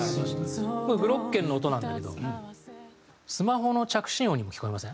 これグロッケンの音なんだけどスマホの着信音にも聞こえません？